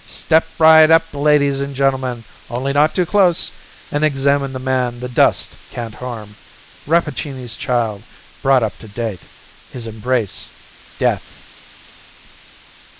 Step right up, ladies and gentlemen only not too close! and examine the man the dust can't harm. Rappaccini's child, brought up to date; his embrace, death!